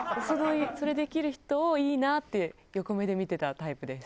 それできる人をいいなって横目で見てたタイプです。